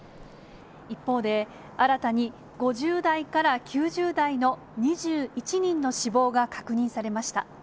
一方で、新たに５０代から９０代の２１人の死亡が確認されました。